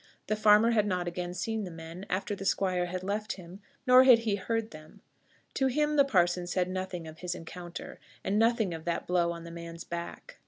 The farmer had not again seen the men, after the Squire had left him, nor had he heard them. To him the parson said nothing of his encounter, and nothing of that blow on the man's back.